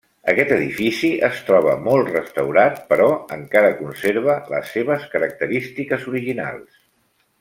Aquest edifici es troba molt restaurat, però encara conserva les seves característiques originals.